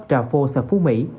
trà phô xã phú mỹ